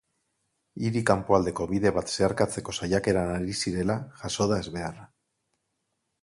Hiri kanpoaldeko bide bat zeharkatzeko saiakeran ari zirela jazo da ezbeharra.